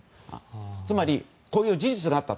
つまりこういう事実があったと。